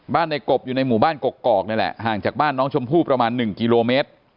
ในกบอยู่ในหมู่บ้านกกอกนี่แหละห่างจากบ้านน้องชมพู่ประมาณ๑กิโลเมตร